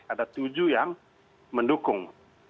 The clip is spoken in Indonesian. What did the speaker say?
ada tujuh yang mendukung